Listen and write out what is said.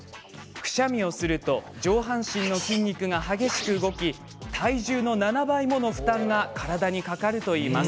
くしゃみをすると上半身の筋肉が激しく動き体重の７倍もの負担が体にかかるといいます。